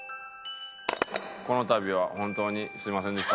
このたびは本当にすみませんでした。